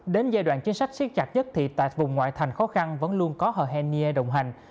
đến giai đoạn chính sách siết chặt nhất thì tại vùng ngoại thành khó khăn vẫn luôn có hồ hèn nghê đồng hành